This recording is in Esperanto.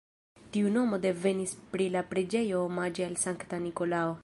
Tiu nomo devenis pri la preĝejo omaĝe al Sankta Nikolao.